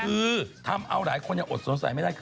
คือทำเอาที่หลายคนอะอดสนใสไม่ได้